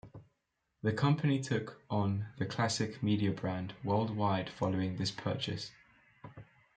The company took on the Classic Media brand worldwide following this purchase.